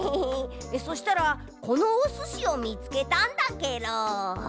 そしたらこのおすしをみつけたんだケロ。